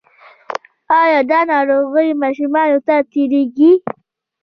ایا دا ناروغي ماشومانو ته تیریږي؟